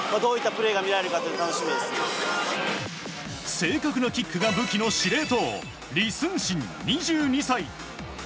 正確なキックが武器の司令塔リ・スンシン、２２歳。